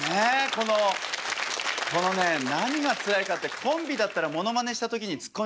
このこのね何がつらいかってコンビだったらモノマネした時にツッコミますけどね